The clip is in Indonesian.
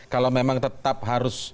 kalau memang tetap harus